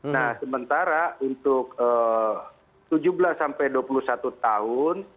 nah sementara untuk tujuh belas sampai dua puluh satu tahun